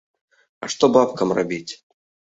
А што бабкам рабіць?